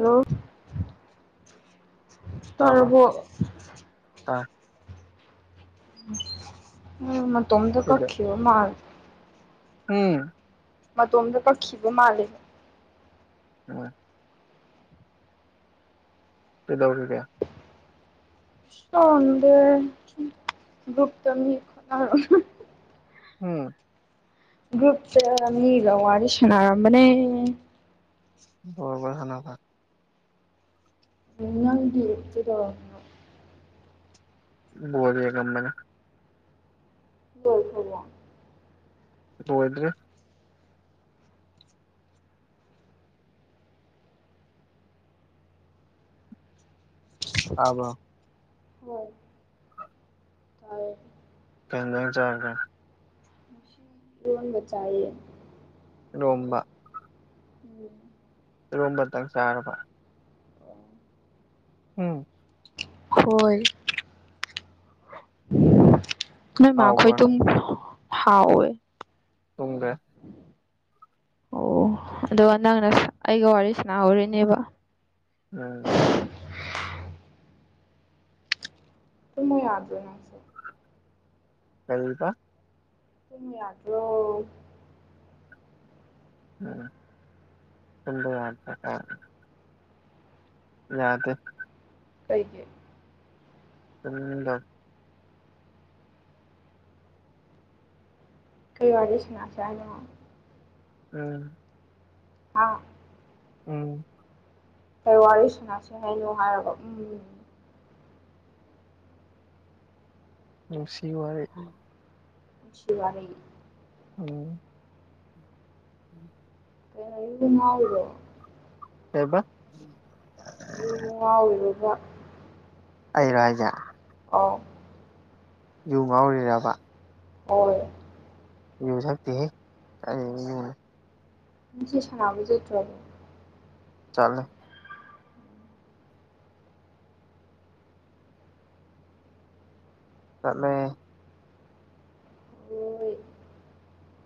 ꯍꯣ ꯇꯥꯕ꯭ꯔꯣ ꯇꯔꯔꯕꯣ ꯇꯥꯏ ꯎ ꯃꯣꯝꯗ ꯀꯩꯗ ꯀꯛꯈꯤꯕ ꯃꯥꯜꯂꯦ ꯎꯝ ꯃꯇꯣꯝꯗ ꯀꯛꯈꯤꯕ ꯃꯥꯜꯂꯦ ꯍꯣꯏ ꯀꯩꯗꯧꯔꯤꯒꯦ ꯇꯗꯦ ꯒ꯭ꯔꯨꯞꯇ ꯃꯤ ꯈꯠꯅꯔꯝꯃꯤ ꯎꯝ ꯒ꯭ꯔꯨꯞꯁꯦ ꯃꯤꯒ ꯋꯥꯔꯤꯔꯤ ꯁꯅꯥꯔꯝꯕꯅꯦ ꯂꫭꯏꯔꯕ ꯁꯟꯅꯕ ꯅꯪꯗꯤ ꯀꯩꯗꯩ ꯕꫭꯜ ꯌꯦꯡꯉꯃꯕꯅꯦ ꯂꫭꯏꯈ꯭ꯔꯕ ꯂꫭꯏꯗ꯭ꯔꯤ ꯇꯥꯕ꯭ꯔ ꯍꯣꯏ ꯇ ꯀꯗ ꯆꯥꯔ ꯐꯔ ꯂꯣꯟ ꯊꯣꯡꯕ ꯆꯥꯏꯌꯦ ꯅꯣꯡꯕ [inaudible] ꯏꯔꯣꯝꯕꯇꯪ ꯆꯥꯔꯕ ꯎꯝ ꯍꯣꯏ ꯅꯣꯏ ꯃꯥ ꯍꯥꯎꯕ꯭ꯔꯣ ꯈꯣꯏ ꯇꯨ ꯍꯥꯥꯎꯋ ꯇꯨꯡꯗꯦ ꯑꯣ ꯑꯗꯨꯒ ꯅꯪꯅ ꯑꯩꯒ ꯋꯥꯔꯤ ꯁꯅꯥꯍꯧꯔꯤꯅꯦꯕ ꯎꯝ ꯃ ꯌꯥꯗꯅ ꯀꯩꯔꯤꯕ ꯇ ꯌꯥꯗ꯭ꯔꯣ ꯎꯝ ꯊꯝꯕ ꯌꯥꯗ ꯀꯩꯒꯤ ꯎꯗ ꯀꯩꯋꯥꯔꯤ ꯁꯟꯅ ꯖꯥꯠꯅꯣ ꯎꯝ ꯑꯥ ꯎꯝ ꯀꯩ ꯋꯥꯔꯤ ꯁꯟꯅꯁꯤ ꯍꯥꯏꯅꯣ ꯍꯥꯏꯒ ꯎꯝ ꯅꯨꯡꯁꯤ ꯋꯥꯔꯤ ꯎꯝ ꯆꯠꯂꯣꯍꯩ ꯎꯝ ꯎꯝ ꯑꯗꯨꯅꯦ ꯍꯥꯏꯖꯦ ꯀꯩꯕ ꯑꯗꯨꯖꯨ ꯉꯥꯎꯕꯗꯨꯗꯥ ꯑꯩꯔꯥ ꯍꯥꯏꯖꯦ ꯑꯥꯎ ꯌꯨ ꯉꯥꯎꯔꯤꯔꯥꯕ ꯍꯣꯏ ꯌꯨ ꯊꯛꯇꯦꯍꯦ [unintelligible] ꯅꯪ ꯆꯦ ꯁꯥꯕ ꯆꯠꯇ꯭ꯔꯣ ꯆꯠꯂꯦ ꯆꯠꯂꯦ ꯍꯣꯏ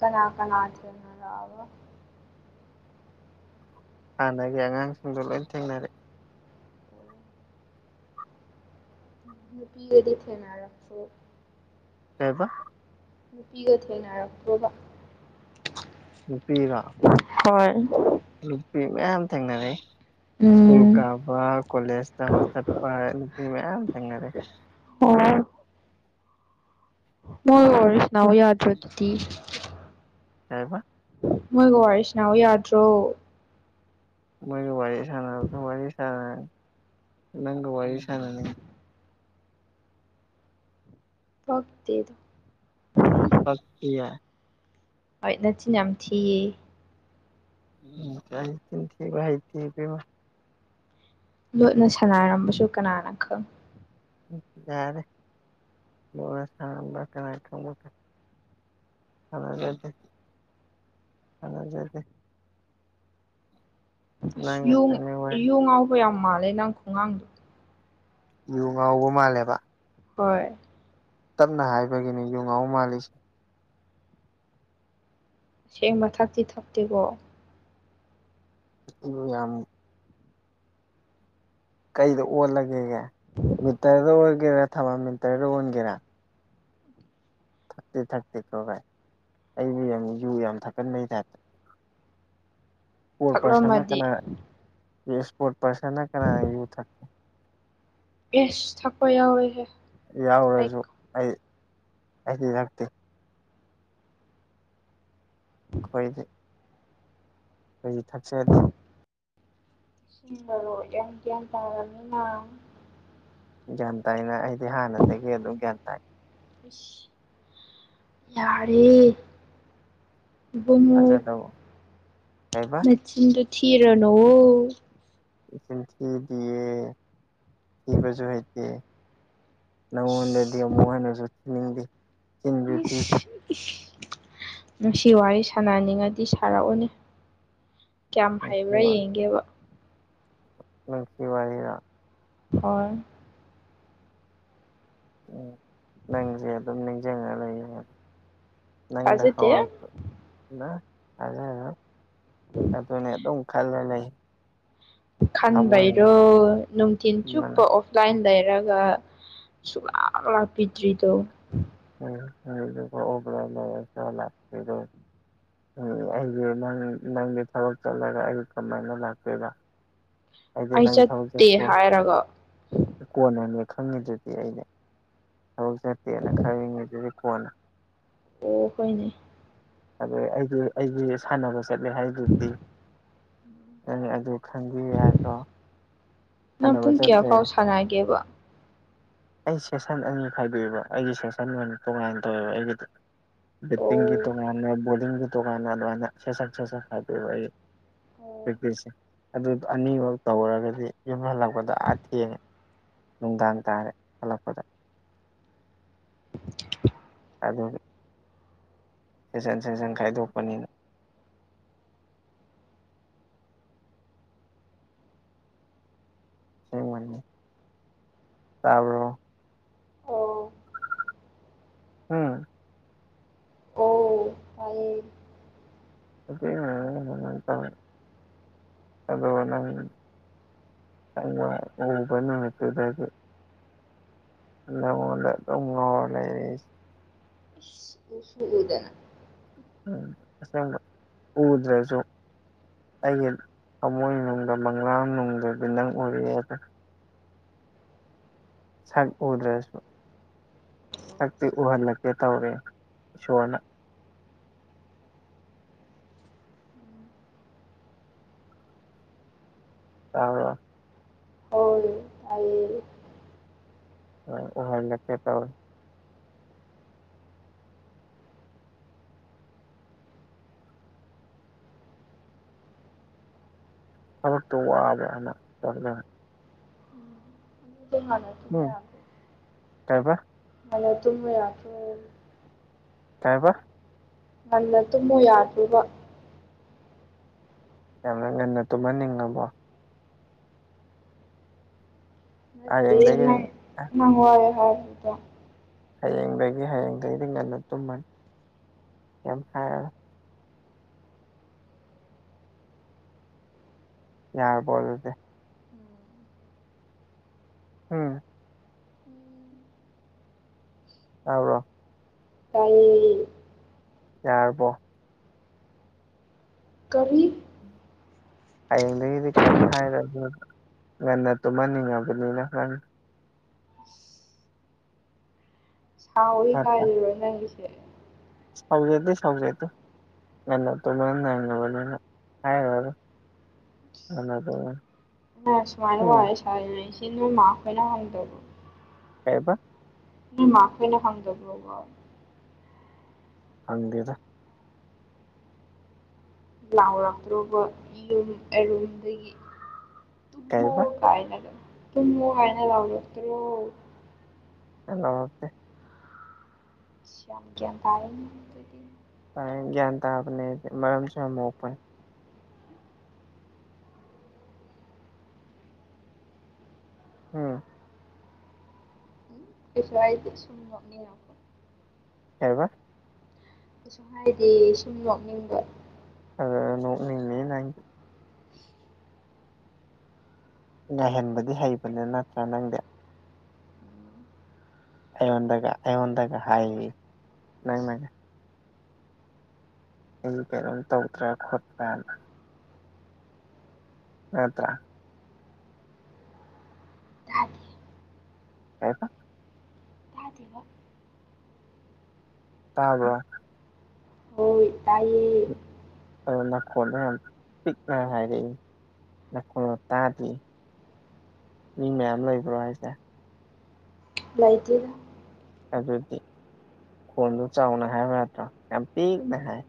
ꯀꯅꯥ ꯀꯅꯥ [unintelligible] ꯍꯥꯟꯅꯒꯤ ꯑꯉꯥꯡꯁꯤꯡꯗꯣ ꯂꯣꯏ ꯊꯦꯡꯅꯔꯦ ꯅꯨꯄꯤꯒꯗꯤ ꯊꯦꯅꯔꯛꯇ꯭ꯔꯣ ꯀꯩꯕ ꯅꯨꯄꯤꯒ ꯊꯦꯡꯅꯔꯛꯇ꯭ꯔꯣꯕ ꯅꯨꯄꯤꯔꯣ ꯍꯣꯏ ꯅꯨꯄꯤ ꯃꯌꯥꯝ ꯊꯦꯡꯅꯔꯛꯏ ꯁ꯭ꯀꯨꯜ ꯎꯝ ꯀꯥꯕ ꯀꯣꯂꯦꯁ ꯇꯧꯔ ꯆꯠꯄ ꯅꯨꯄꯤ ꯃꯌꯥꯝ ꯊꯦꯡꯅꯔꯛꯑꯦ ꯑꯣ ꯃꯣꯏ ꯑꯣꯏ ꯋꯥꯔꯤ ꯁꯅꯥꯎ ꯌꯥꯗ꯭ꯔꯣ ꯑꯗꯨꯗꯤ ꯀꯩꯕ ꯃꯣꯏꯒ ꯋꯥꯔꯤ ꯁꯅꯥꯎ ꯌꯥꯗ꯭ꯔꯣ ꯃꯣꯏꯒ ꯋꯥꯔꯤ ꯁꯥꯟꯅꯕꯗꯣ ꯋꯥꯔꯤ ꯁꯥꯟꯅ ꯅꯪꯒ ꯋꯥꯔꯤ ꯁꯥꯟꯅꯅꯤꯡꯕ ꯄꯛꯇꯦ ꯑꯗꯨ ꯄꯛꯇꯤꯌꯦ ꯍꯣꯏ ꯅꯆꯤꯟ ꯌꯥꯝ ꯊꯤꯌꯦ ꯎꯝ ꯀꯥꯏꯗꯩ ꯆꯤꯟ ꯊꯤꯕ ꯍꯩꯇꯦ ꯏꯕꯦꯝꯃ ꯂꯣꯠꯅ ꯁꯥꯟꯅꯥꯔꯝꯕꯁꯨ ꯀꯅꯥꯅ ꯈꯪ ꯌꯥꯔꯦ [unintelligible] ꯁꯥꯟꯅꯖꯗꯦ ꯁꯥꯟꯅꯖꯗꯦ ꯑꯁ ꯅꯪ ꯌꯨꯡ ꯉꯥꯛꯇꯪꯅꯦ ꯋꯥꯔꯤ ꯌꯨ ꯉꯥꯎꯕ ꯌꯥꯝ ꯃꯥꯜꯂꯦ ꯅꯪ ꯈꯨꯉꯥꯡꯗꯣ ꯌꯨ ꯉꯥꯎꯕ ꯃꯥꯜꯂꯦꯕ ꯍꯣꯏ ꯇꯞꯅ ꯍꯥꯏꯕꯒꯤꯅꯤ ꯌꯨ ꯉꯥꯎꯕ ꯃꯥꯜꯂꯤꯁꯦ ꯁꯦꯡꯕ ꯊꯛꯇꯤ ꯊꯛꯇꯦꯀꯣ ꯑꯩꯕꯨ ꯌꯥꯝ ꯀꯩꯗ ꯑꯣꯜꯂꯒꯦꯒꯦ ꯃꯤꯇꯔꯗ ꯑꯣꯟꯒꯦꯔꯥ ꯊꯔꯃꯣ ꯃꯤꯇꯔꯗ ꯑꯣꯟꯒꯦꯔꯥ ꯊꯛꯇꯤ ꯊꯛꯇꯦ ꯀꯣ ꯀꯥꯏ ꯑꯩꯕꯨ ꯌꯥꯝ ꯌꯨ ꯌꯥꯝ ꯊꯛꯀꯟꯕꯩ ꯇꯥꯏꯞꯇ ꯏꯁꯄꯣꯔꯠ ꯄꯔꯁꯟꯅ ꯊꯛꯂꯝꯃꯗꯤ ꯀꯅꯥ ꯏꯁꯄꯣꯔꯠ ꯄꯔꯁꯟꯅ ꯀꯅꯥꯅ ꯌꯨ ꯊꯛꯀꯦ ꯕꯦꯁ ꯊꯛꯄ ꯌꯥꯎꯔꯤꯦꯍꯦ ꯌꯥꯎꯔꯁꯨ ꯑꯩ ꯑꯩꯗꯤ ꯍꯛꯇꯦ ꯀꯣꯏꯗ ꯑꯩꯗꯤ ꯊꯥꯛꯆꯗꯦ ꯣ ꯌꯦꯡꯒꯤꯦꯟ ꯇꯔꯅꯤꯅꯥ ꯒ꯭ꯌꯥꯟ ꯇꯥꯏꯅ ꯑꯩꯗꯤ ꯍꯥꯟꯅꯗꯒꯤ ꯑꯗꯨꯝ ꯒ꯭ꯌꯥꯟ ꯇꯥꯏ ꯌꯥꯔꯦ ꯃꯨ ꯊꯥꯖꯗꯧ ꯀꯩꯕ ꯅꯆꯤꯟꯗꯨ ꯊꯤꯔ ꯅꯣ ꯏ ꯊꯤ ꯗꯌꯦ ꯊꯤꯕꯁꯨꯨ ꯍꯥꯏꯛꯇꯦ ꯅꯪꯉꯣꯟꯗꯗꯤ ꯑꯃꯨꯛ ꯍꯥꯏꯅꯁꯨ ꯊꯅꯤꯡꯗꯦ ꯅꯨꯡꯁꯤ ꯋꯥꯔꯤ ꯁꯥꯟꯅꯅꯤꯡꯉꯗꯤ ꯁꯥꯔꯛꯎꯅꯦ ꯀꯌꯥꯝ ꯅꯨꯡꯁꯤ ꯍꯩꯕ꯭ꯔꯥ ꯌꯦꯡꯒꯦꯕ ꯅꯨꯡꯁꯤ ꯋꯥꯔꯤꯗ ꯍꯣꯏ ꯎꯝ ꯅꯪꯁꯦ ꯑꯗꯨꯝ ꯅꯤꯡꯁꯤꯡꯉ ꯂꯩꯌꯦ ꯅꯪꯗ ꯊꯥꯖꯗꯦ ꯍꯧꯔ ꯍꯥꯏ ꯑꯗꯨꯅꯦ ꯑꯗꯨꯝ ꯈꯜꯂꯅ ꯂꯩ ꯈꯥꯟꯕꯩꯔꯣ ꯊꯃꯣꯏꯅꯦ ꯅꯨꯡꯊꯤꯟ ꯃꯅ ꯆꯨꯞꯄ ꯑꯣꯐ ꯂꯥꯏꯟ ꯂꯩꯔꯒ ꯁꯨꯛꯂꯥꯛꯞ ꯂꯥꯛꯄꯤꯗ꯭ꯔꯤꯗꯣ ꯎꯝ ꯑꯣꯕ꯭ꯔ ꯂ ꯆ ꯂꯥꯛꯄꯤꯔ ꯑꯩꯁ ꯅꯪ ꯅꯪꯒꯤ ꯊꯕꯛ ꯆꯠꯂꯒ ꯑꯩ ꯀꯃꯥꯏꯅ ꯂꯥꯛꯇꯣꯏꯔ ꯑꯩꯗꯤ ꯑꯩ ꯅꯪ ꯆꯠꯇꯦ ꯊꯖꯤꯦꯄꯨ ꯍꯥꯏꯔꯒ ꯀꯣꯟꯅꯅꯦ ꯈꯪꯉꯤꯗꯨꯗꯤ ꯑꯩꯩꯅ ꯊꯕꯛ ꯆꯠꯇꯦꯅ ꯈꯔ ꯍꯡꯉꯤꯁꯤꯗꯤ ꯀꯣꯟꯅ ꯑꯣ ꯍꯣꯏꯅꯦ ꯑ ꯑꯩꯒꯤ ꯑꯩꯒꯤ ꯁꯥꯟꯅꯕ ꯆꯠꯂꯦ ꯍꯥꯏꯗꯨꯗꯤ ꯅ ꯑꯗꯨ ꯈꯪꯕꯤ ꯍꯥꯏꯗ꯭ꯔꯣ ꯅꯪ ꯁꯥꯟꯅꯕ ꯄꯨꯡ ꯀꯌꯥ ꯆꯠꯇ꯭ꯔꯦ ꯐꯥꯎ ꯁꯥꯟꯅꯒꯦꯕ ꯑꯩ ꯁꯦꯁꯟ ꯑꯅꯤ ꯈꯥꯏꯕꯤꯕ ꯑꯩꯒꯤ ꯁꯦꯁꯟ ꯑꯣꯏꯅ ꯇꯣꯉꯥꯏꯅ ꯇꯧꯋꯦꯕ ꯑꯩꯒꯤꯗꯤ ꯕꯇꯤꯡꯒꯤ ꯇ ꯑꯣ ꯀꯥꯟ ꯣꯒꯤ ꯇ ꯀꯥꯟ ꯑꯗꯨꯦꯦ ꯈꯥꯏꯗꯦ ꯑꯣ ꯄꯔꯛꯇꯤꯁ ꯑꯗꯨꯗꯣ ꯑꯅꯤꯃꯛ ꯇꯧꯔꯒꯗꯤ ꯌꯨꯝ ꯍꯜꯂꯛꯄꯗ ꯑꯥ ꯊꯦꯡꯉꯦ ꯅꯨꯡꯗꯥꯡ ꯇꯥꯔꯦ ꯍꯜꯂꯛꯄꯗ [inaudible] ꯑꯗꯨꯒꯤ ꯁꯦꯁꯟ ꯁꯦꯁꯟ ꯈꯥꯏꯗꯣꯛꯄꯅꯤꯅ ꯑꯁꯦꯡꯕꯩꯅꯤ ꯇꯥꯕ꯭ꯔꯣ ꯑꯣ ꯍꯥ ꯑꯣ ꯇꯥꯏꯌꯦ ꯑꯩꯈꯣꯏ ꯏꯃꯟꯅꯕꯅ ꯁꯨꯃꯥꯏ ꯁꯨꯃꯥꯏ ꯇꯧꯏ ꯑꯗꯨꯒ ꯅꯪ ꯑꯩꯅ ꯅꯪ ꯎꯕ ꯅꯨꯃꯤꯠꯇꯨꯗꯒꯤ ꯅꯪꯉꯣꯟꯗ ꯑꯗꯨꯝ ꯉꯥꯎꯔꯂꯩꯔꯦ ꯑꯩꯁꯦ ꯏꯁ ꯎꯁꯨ ꯎꯗꯅ ꯎꯝ ꯑꯁꯦꯡꯕ ꯎꯗ꯭ꯔꯁꯨ ꯑꯩꯒꯤ ꯊꯃꯣꯏꯅꯨꯡꯗ ꯃꯪꯂꯥꯟꯅꯨꯡꯗꯗꯤ ꯅꯪ ꯎꯔꯦꯑꯦꯗꯣ ꯁꯛ ꯎꯗ꯭ꯔꯁꯨ ꯁꯛꯇꯤ ꯎꯍꯜꯂꯛꯀꯦ ꯇꯧꯔꯦ ꯏꯁꯣꯔꯅ ꯇꯥꯕꯔꯣ ꯍꯣꯢ ꯇꯥꯏꯌꯦ ꯅꯪ ꯎꯍꯜꯛꯀꯦ ꯇꯧꯑꯦ ꯊꯕꯛꯇꯨ ꯋꯥꯕ ꯍꯟꯅ ꯇꯧꯅ ꯑꯗꯨꯝꯍꯥꯟꯅ ꯅꯣꯡ ꯇꯥꯕ ꯉꯟꯅ ꯇꯨꯝꯕ ꯌꯥꯗꯔꯣ ꯀꯩꯍꯥꯏꯕ ꯉꯟꯅ ꯇꯨꯝꯕ ꯌꯥꯗ꯭ꯔꯣꯕ ꯌꯥꯝꯅ ꯉꯟꯅ ꯇꯨꯝꯍꯟꯅꯤꯡꯉꯕꯣ ꯗꯦ ꯍꯌꯦꯡꯗꯒꯤꯗꯤ ꯅꯥꯏꯠ ꯃꯥ ꯉꯥꯎꯏ ꯍꯥꯏ ꯍꯌꯦꯡꯗꯒꯤ ꯍꯌꯦꯡꯗꯒꯤꯗꯤ ꯉꯟꯅ ꯇꯨꯝꯃꯅꯤ ꯀꯩꯝ ꯍꯥꯏꯔꯣꯏ ꯌꯥꯔꯕꯣ ꯑꯗꯨꯗꯤ ꯎꯝ ꯇꯥꯕꯔꯣ ꯇꯥꯏꯌꯦ ꯌꯥꯔꯕꯣ ꯀꯔꯤ ꯍꯌꯦꯡꯗꯒꯤꯗꯤ ꯀꯩꯝ ꯍꯥꯏꯔꯣꯏꯒꯦꯕ ꯉꯟꯅ ꯇꯨꯝꯍꯟꯅꯤꯡꯉꯕꯅꯤꯅ ꯅꯪ ꯁꯥꯎꯋꯤ ꯅꯠꯇ꯭ꯔꯥ ꯀꯥꯏꯗꯨꯔꯣ ꯅꯪꯒꯤꯁꯦ ꯁꯥꯎꯖꯗꯦ ꯁꯥꯎꯖꯗꯦ ꯉꯟꯅ ꯇꯨꯝꯍꯟꯅꯤꯑꯕꯅꯤꯅ ꯍꯥꯏꯔꯣꯏꯒꯦ ꯉꯟꯅ ꯇꯨꯝꯃꯦ ꯁꯨꯃꯥꯏꯅ ꯋꯥꯔꯤꯁꯥꯔꯤꯁꯤ ꯅꯣꯏꯃꯥ ꯈꯣꯏꯅ ꯍꯪꯗꯕꯣ ꯀꯩꯕ ꯅꯣꯏ ꯃꯥꯈꯣꯏꯅ ꯍꯪꯗꯕꯔꯣꯕ ꯍꯪꯗꯦꯗ ꯂꯥꯎꯔꯛꯇ꯭ꯔꯣꯕ ꯌꯨꯝ ꯑꯦꯔꯨꯗꯒꯤ ꯇꯨꯝꯃꯣ ꯀꯩꯕ ꯀꯥꯏꯅꯒ ꯇꯨꯝꯃꯣ ꯍꯥꯏꯅ ꯂꯥꯎꯔꯛꯇꯔꯣ ꯂꯥꯎꯔꯛꯇꯦ ꯑꯁ ꯌꯥꯝ ꯒꯤꯌꯟꯇꯥꯏꯅꯦ ꯑꯗꯨꯗꯤ ꯑꯗꯨꯝ ꯒꯤꯌꯥꯟ ꯇꯥꯕꯅꯦ ꯃꯔꯝꯁꯨ ꯌꯥꯝ ꯃꯣꯛꯄꯅꯦ ꯎꯝ ꯎꯝ ꯀꯩꯁꯨ ꯍꯥꯏꯗꯦ ꯁꯨꯝ ꯅꯣꯛꯅꯤꯡꯉꯛꯄ ꯀꯏꯔꯤꯕ ꯀꯩꯁꯨꯨꯝ ꯍꯥꯏꯗꯤ ꯁꯨꯝ ꯂꯣꯛꯅꯤꯡꯕ ꯑꯅꯤꯡ ꯅꯪ ꯉꯥꯏꯍꯟꯕꯗꯤ ꯍꯩꯕꯅꯤ ꯅꯠꯇ꯭ꯔꯥ ꯅꯪꯗꯤ ꯑꯩꯟꯒ ꯑꯩꯟꯗꯒ ꯍꯥꯏ ꯅꯪ ꯅ ꯑꯩꯁ ꯀꯩꯅꯣꯝ ꯇꯧꯗ꯭ꯔꯥ ꯈꯣꯠꯠꯇ꯭ꯔꯅ ꯎꯠꯇ꯭ꯔ ꯇꯥꯗꯦ ꯀꯁ ꯇꯥꯗꯕ ꯇꯥꯕꯔꯣ ꯇꯥꯏ ꯑꯗꯣ ꯅꯥꯈꯣꯟꯅ ꯌꯥꯝ ꯄꯤꯛꯅ ꯍꯥꯏꯔꯛꯏ ꯅꯈꯣꯅ ꯇꯥꯗ꯭ ꯃꯤ ꯃꯌꯥꯝ ꯂꯩꯕ꯭ꯔꯣ ꯍꯥꯏꯁꯦ ꯂꯥꯏꯇꯦꯗꯥ ꯑꯗꯨꯗꯤ ꯈꯣꯟꯗꯨ ꯆꯥꯎꯅ ꯍꯥꯏꯕ ꯅꯠꯇ꯭ꯔꯣ ꯌꯥꯝ ꯄꯤꯛꯅ ꯍꯥꯏ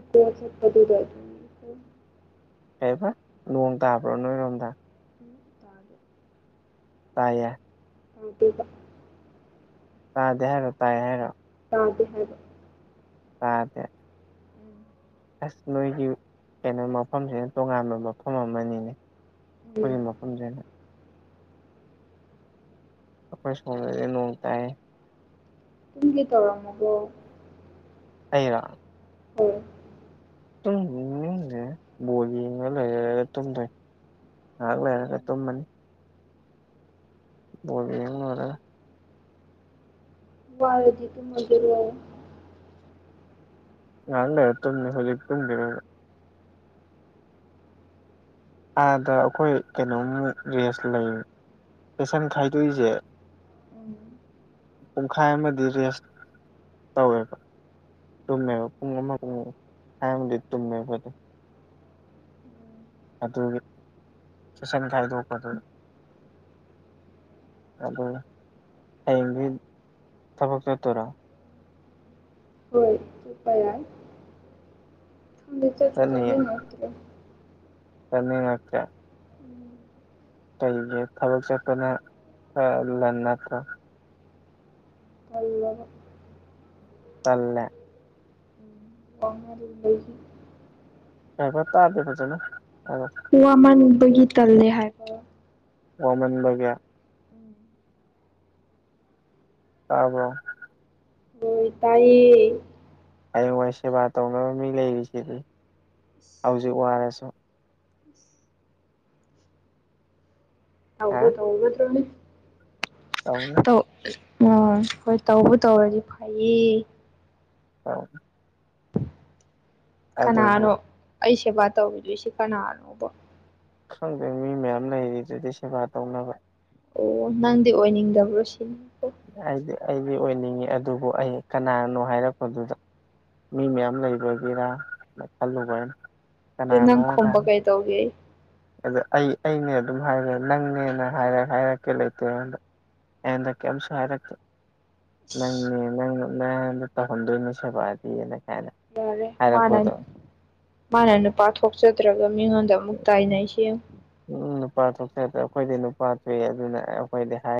ꯏꯀꯣꯁꯦꯄꯗꯨꯕ ꯀꯕ ꯂꯣꯡ ꯇꯥꯕ꯭ꯔꯣ ꯅꯣꯏꯔꯣꯗꯥ ꯇꯦ ꯇꯥ ꯑꯦ ꯑ ꯊꯀ ꯇꯥꯗꯦ ꯍꯥꯏꯔꯣ ꯇꯥꯏꯌꯦ ꯍꯥꯏꯔꯣ ꯇꯥꯗ ꯍꯥꯏꯕ ꯇꯥꯗꯦ ꯎꯝ ꯑꯁ ꯅꯣꯏꯒꯤ ꯀꯩꯅꯣ ꯃꯐꯝꯁꯤꯅ ꯇꯣꯉꯥꯟꯕ ꯃꯐꯝ ꯑꯃꯅꯤꯅꯦ ꯎꯝ ꯑꯩꯈꯣꯏꯒꯤ ꯃꯐꯝꯁꯤꯦꯅ ꯑꯩꯈꯣꯏ ꯁꯣꯝꯗꯗꯤ ꯅꯣꯡ ꯇꯥꯏ ꯑꯗꯨꯝꯗꯤ ꯇꯧꯔꯝꯃꯣꯕꯣ ꯑꯩꯔ ꯍꯣꯏ ꯇ ꯣ ꯂꯩ ꯇ ꯉꯥꯏꯍꯥꯛ ꯂꯩꯔꯒ ꯇꯨꯝꯃꯅꯤ ꯕꯥꯜꯂ ꯌꯦꯕꯥ ꯂꯣꯏꯔꯥ ꯋꯥꯔꯗꯤ ꯀꯨ ꯃꯗꯔ ꯋꯥ ꯅꯗ ꯇ ꯍꯧꯖꯤꯛ ꯇꯨꯝꯦ ꯑꯥꯗ ꯑꯩꯈꯣꯏ ꯀꯩꯅꯣꯃꯨꯛ ꯔꯦꯁ ꯂꯩ ꯄꯦꯁꯟ ꯈꯥꯏꯗꯣꯛꯏꯁꯦ ꯎꯝ ꯄꯨꯡꯈꯥꯏ ꯑꯃꯗꯤ ꯔꯦꯁ ꯇꯧꯋꯦꯕ ꯎꯝ ꯇꯨꯝꯃꯦꯕ ꯄꯨꯡ ꯑꯃ ꯄꯨꯡ ꯍꯥꯏꯔꯒꯗꯤ ꯇꯨꯝꯃꯦꯕ ꯑꯗꯨꯣ ꯑꯗꯨꯒꯤ ꯆꯨꯁꯟ ꯈꯥꯏꯗꯣꯛꯄꯗꯨꯅꯤ ꯑ ꯍꯌꯦꯡꯒꯤ ꯊꯕꯛ ꯆꯠꯇꯔꯥ ꯍꯣꯏ ꯇ ꯀ ꯆꯠ ꯆ ꯅꯠꯇ꯭ꯔ ꯆꯅꯤꯆꯥ ꯀꯩꯒꯤ ꯊꯕꯛ ꯆꯠꯄꯅ ꯂꯟ ꯅꯠꯇ꯭ꯔꯣ ꯎ ꯇꯜꯂꯦ ꯋꯥꯉꯔ ꯂꯩ ꯌꯥ ꯀꯠꯇꯗꯕꯖꯅꯣ ꯍ ꯋꯥ ꯃꯥꯡꯨꯅꯕꯒꯤ ꯇꯜꯂꯦ ꯍꯥꯏꯕꯣ ꯋꯥꯃꯟ ꯒꯦ ꯇꯕ꯭ꯔꯣ ꯇꯥꯏꯌꯦ ꯍꯌꯦꯡꯋꯥꯏ ꯁꯦꯕꯥ ꯇꯧꯅꯕ ꯃꯤ ꯂꯩꯔꯤꯁꯤꯗꯤ ꯍꯧꯖꯤꯛ ꯋꯥꯔꯁꯨ ꯇꯩꯕꯨ ꯇꯩꯒꯗ꯭ꯔꯥꯅꯦ ꯑ ꯎꯝ ꯍꯣꯏ ꯇꯧꯕ ꯇꯧꯔꯗꯤ ꯐꯩꯌꯦ [inaudible] ꯑꯗꯨꯕꯨ ꯀꯅꯥꯅꯣ ꯑꯩ ꯁꯦꯕꯥ ꯇꯧꯤꯗꯣꯏꯁꯤ ꯀꯅꯥꯅꯣꯕ ꯈꯪꯗꯦ ꯃꯤ ꯃꯌꯥꯝ ꯂꯩꯔꯤꯗꯨꯗꯤ ꯁꯦꯕꯥ ꯇꯧꯅꯕ ꯑꯣ ꯅꯪꯗꯤ ꯑꯣꯏꯅꯤꯡꯗꯕ꯭ꯔꯣ ꯁꯤꯅꯤ ꯑꯩꯗꯤ ꯑꯩꯗꯤ ꯑꯣꯏꯅꯤꯡꯉꯤ ꯑꯗꯨꯕꯨ ꯑꯩ ꯀꯅꯥꯅꯣ ꯍꯥꯏꯔꯛꯄꯗꯨꯗ ꯃꯤ ꯃꯌꯥꯝ ꯂꯩꯕꯒꯤꯔꯥ ꯈꯜꯂꯨꯕ ꯑꯗꯨ ꯀꯅꯥꯅꯣ ꯅꯪ ꯈꯣꯝꯕ ꯀꯥꯏꯅ ꯀꯩ ꯇꯧꯒꯦ ꯑꯗ ꯑꯩ ꯑꯩꯅꯦ ꯑꯗꯨꯝ ꯍꯥꯏꯔꯦ ꯅꯪꯅꯦꯅ ꯍꯥꯏꯔ ꯍꯥꯏꯔꯛꯀꯦ ꯂꯩꯇꯦ ꯑꯩꯉꯣꯟꯗ ꯍꯟꯗꯛ ꯀꯩꯝꯁꯨ ꯍꯥꯏꯔꯛꯇꯕ ꯅꯪꯅꯦ ꯅꯪ ꯅꯗ ꯇꯧꯍꯟꯗꯣꯏꯅꯦ ꯁꯦꯕꯥꯗꯤꯅ ꯀꯥꯏꯅ ꯌꯥꯔꯦ ꯃꯥꯅ ꯍꯥꯏꯔꯛꯄꯗꯣ ꯃꯥꯅ ꯅꯨꯄꯥ ꯊꯣꯛꯆꯗ꯭ꯔꯒ ꯃꯤꯉꯣꯟꯗ ꯑꯃꯨꯛ ꯇꯥꯏꯅꯔꯤꯁꯦ ꯎꯝ ꯅꯨꯄꯥ ꯊꯣꯛꯆ꯭ꯔ ꯑꯩꯈꯣꯏꯗꯤ ꯅꯨꯄꯥ ꯊꯣꯛꯑꯦ ꯑꯗꯨꯅ ꯑꯩꯈꯣꯏꯗꯤ ꯍꯥꯏ